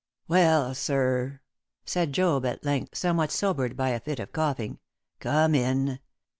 "Well, sir," said Job, at length, somewhat sobered by a fit of coughing; "come in.